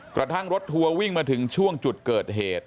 กระทั่งรถทัวร์วิ่งมาถึงช่วงจุดเกิดเหตุ